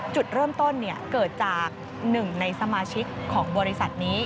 จุดเริ่มต้นเกิดจากหนึ่งในสมาชิกของบริษัทนี้